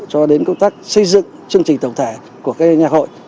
cho đến công tác xây dựng chương trình tổng thể của nhạc hội